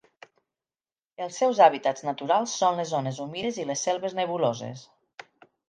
Els seus hàbitats naturals són les zones humides i les selves nebuloses.